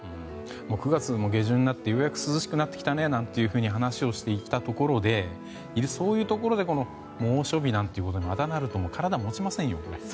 ９月も下旬になってようやく涼しくなってきたねなんて話をしていたところでそういうところで猛暑日なんていうことにまたなると体がもちませんよ。